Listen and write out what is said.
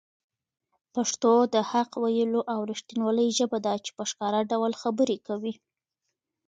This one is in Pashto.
پښتو د حق ویلو او رښتینولۍ ژبه ده چي په ښکاره ډول خبرې کوي.